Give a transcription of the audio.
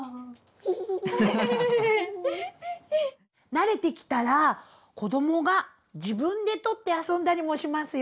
慣れてきたら子どもが自分でとって遊んだりもしますよ！